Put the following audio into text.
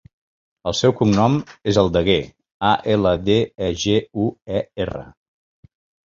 El seu cognom és Aldeguer: a, ela, de, e, ge, u, e, erra.